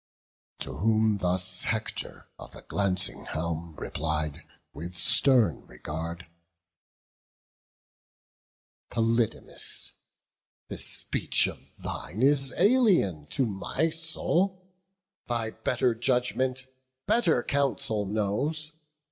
To whom thus Hector of the glancing helm Replied, with stern regard: "Polydamas, This speech of thine is alien to my soul: Thy better judgment better counsel knows.